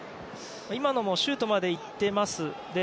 今のもシュートまで行っています。